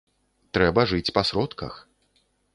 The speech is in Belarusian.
Трэба жыць па сродках.